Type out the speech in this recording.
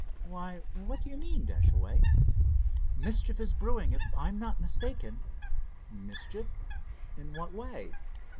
"Why, what do you mean, Dashaway?" "Mischief is brewing, if I'm not mistaken." "Mischief? In what way?"